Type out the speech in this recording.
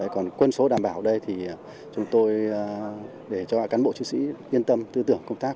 còn quân số đảm bảo ở đây thì chúng tôi để cho cán bộ chiến sĩ yên tâm tư tưởng công tác